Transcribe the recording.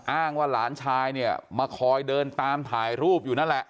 อ้างว่าหลานชายเนี่ยมาคอยเดินตามถ่ายรูปอยู่นั่นแหละ